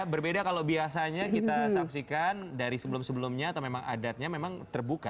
berbeda kalau biasanya kita saksikan dari sebelum sebelumnya atau memang adatnya memang terbuka